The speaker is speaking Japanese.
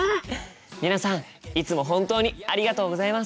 皆さんいつも本当にありがとうございます！